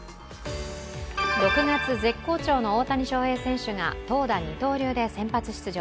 ６月絶好調の大谷翔平選手が投打二刀流で先発出場。